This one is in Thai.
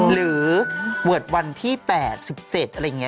หรือบวชวันที่๘๗อะไรอย่างนี้